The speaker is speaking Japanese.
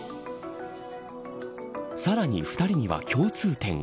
さらに２人には共通点が。